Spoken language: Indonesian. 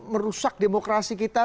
merusak demokrasi kita